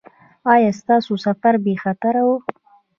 ایا ستاسو سفر بې خطره و؟